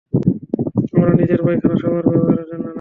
আমার নিজের পায়খানা, সবার ব্যবহারের জন্য না।